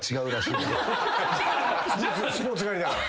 スポーツ刈りだから。